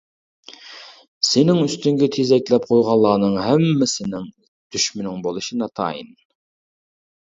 سېنىڭ ئۈستۈڭگە تېزەكلەپ قويغانلارنىڭ ھەممىسىنىڭ دۈشمىنىڭ بولۇشى ناتايىن.